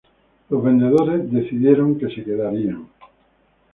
Los vendedores decidieron que se quedarían.